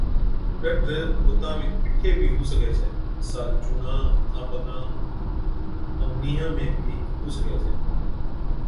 ڏَدر بُتا ۾ ڪِٺي بِي هُو سِگھَي ڇَي مثال، چُونڻا، هٿان پگان ائُون نِيهان ۾ بِي هُو سِگھَي ڇَي